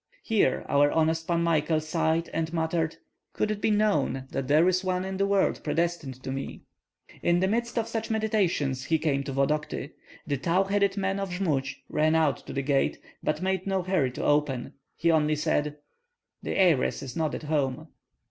Here our honest Pan Michael sighed and muttered: "Could it be known that there is one in the world predestined to me?" In the midst of such meditations he came to Vodokty. The tow headed man of Jmud ran out to the gate, but made no hurry to open; he only said, "The heiress is not at home."